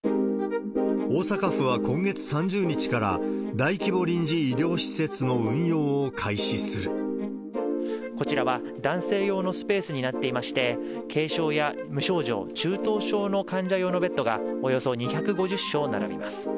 大阪府は今月３０日から、大規模臨時医療施設の運用を開始すこちらは男性用のスペースになっていまして、軽症や無症状、中等症の患者用のベッドがおよそ２５０床並びます。